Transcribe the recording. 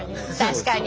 確かに！